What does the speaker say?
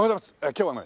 今日はね